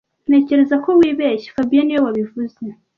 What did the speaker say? Ntekereza ko wibeshye fabien niwe wabivuze